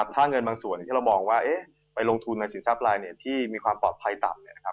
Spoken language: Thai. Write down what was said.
ถ้าเงินบางส่วนที่เรามองว่าไปลงทุนในสินทรัพย์ลายเน็ตที่มีความปลอดภัยต่ำ